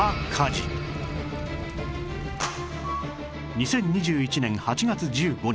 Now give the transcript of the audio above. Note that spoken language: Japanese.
２０２１年８月１５日